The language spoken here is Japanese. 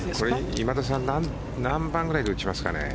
今田さん何番ぐらいで打ちますかね？